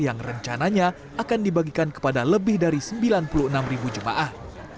yang rencananya akan dibagikan kepada lebih dari sembilan puluh enam ribu jemaah